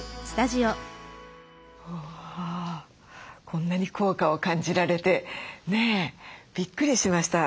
こんなに効果を感じられてねえびっくりしました。